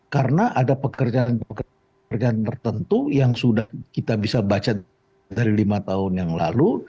karena ada pekerjaan pekerjaan tertentu yang sudah kita bisa baca dari lima tahun yang lalu